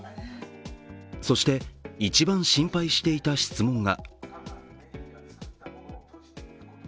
そして一番心配していた質問が。